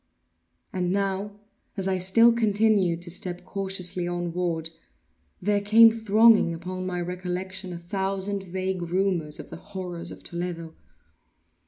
And now, as I still continued to step cautiously onward, there came thronging upon my recollection a thousand vague rumors of the horrors of Toledo.